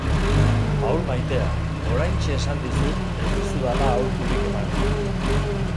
Paul maitea, oraintxe esan dizut ez dizudala aholkurik emango.